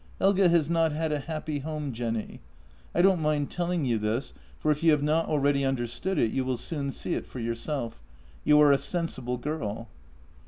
Helge has not had a happy home, Jenny. I don't mind telling you this, for if you have not already understood it, you will soon see it for yourself. You are a sensible girl.